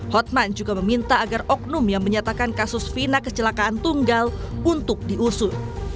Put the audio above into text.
hotman juga meminta agar oknum yang menyatakan kasus fina kecelakaan tunggal untuk diusut